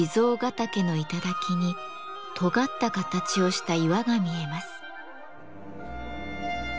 岳の頂にとがった形をした岩が見えます。